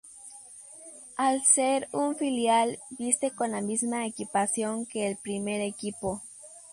Al ser un filial viste con la misma equipación que el primer equipo.